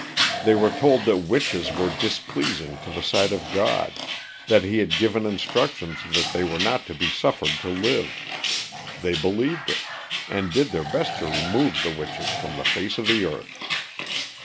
They were told that witches were displeasing to the sight of God; that he had given instructions that they were not to be "suffered" to live. They believed it; and did their best to remove the witches from the face of the earth.